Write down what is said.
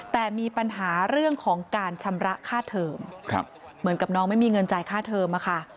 แต่มีปัญหาเรื่องของการชำระค่าเทิมเหมือนกับน้องไม่มีเงินจ่ายค่าเทอมอะค่ะ